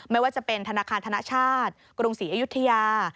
ไม่ว่าจะเป็นธนาคารธนชาติกรุงศรีอยุธยา